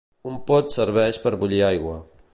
Un pot serveix per bullir aigua